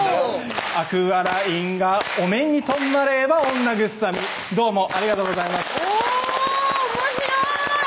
「アクアラインがお目にとまればお慰み」どうもありがとうございますおぉおもしろい！